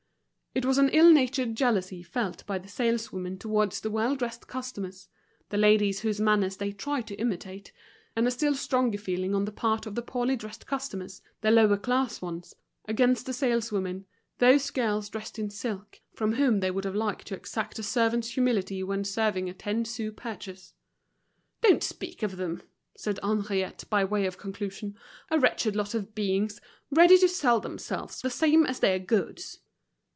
It was an ill natured jealousy felt by the saleswomen towards the well dressed customers, the ladies whose manners they tried to imitate, and a still stronger feeling on the part of the poorly dressed customers, the lower class ones, against the saleswomen, those girls dressed in silk, from whom they would have liked to exact a servant's humility when serving a ten sou purchase. "Don't speak of them," said Henriette, by way of conclusion, "a wretched lot of beings ready to sell themselves the same as their goods."